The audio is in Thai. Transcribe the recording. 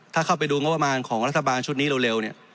ถ้าเข้าไปดูงบประมาณของรัฐบาลชุดนี้เร็วเนี่ย